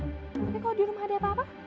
tapi kalau di rumah ada apa apa